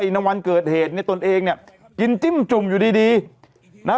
ในวันเกิดเหตุเนี่ยตนเองเนี่ยกินจิ้มจุ่มอยู่ดีดีนะฮะ